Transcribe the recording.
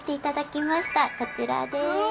こちらです。